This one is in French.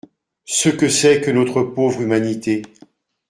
Ce que c’est que notre pauvre humanité !